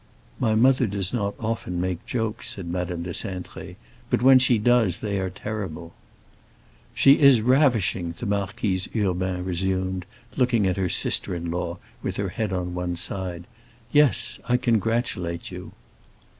"My mother does not often make jokes," said Madame de Cintré; "but when she does they are terrible." "She is ravishing," the Marquise Urbain resumed, looking at her sister in law, with her head on one side. "Yes, I congratulate you."